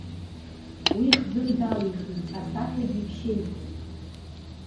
Уи хӡык далихит, асахьагьы иԥшьеиҵеит.